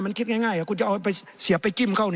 มันคิดง่ายคุณจะเอาไปเสียไปจิ้มเขา